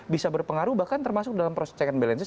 bisa berpengaruh bahkan termasuk dalam proses check and balances